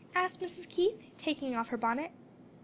asked Mrs. Keith, taking off her bonnet.